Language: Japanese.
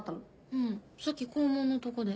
うんさっき校門のとこで。